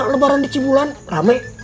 lebaran di cibulan rame